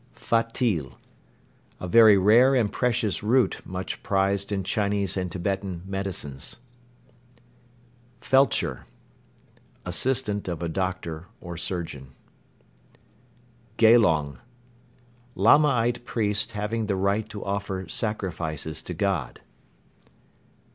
Fatil. A very rare and precious root much prized in Chinese and Tibetan medicines. Felcher. Assistant of a doctor (surgeon). Gelong. Lamaite priest having the right to offer sacrifices to God.